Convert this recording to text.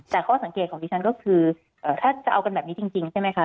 แต่ข้อสังเกตของดิฉันก็คือถ้าจะเอากันแบบนี้จริงใช่ไหมคะ